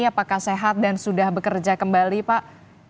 apakah sehat dan sudah bekerja kembali pak